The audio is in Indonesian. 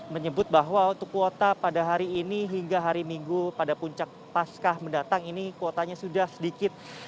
menyebut bahwa untuk kuota pada hari ini hingga hari minggu pada puncak paskah mendatang ini kuotanya sudah sedikit